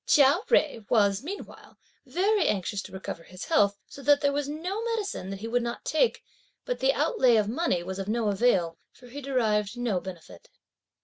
Chia Jui was, meanwhile, very anxious to recover his health, so that there was no medicine that he would not take, but the outlay of money was of no avail, for he derived no benefit.